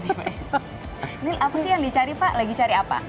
ini apa sih yang dicari pak lagi cari apa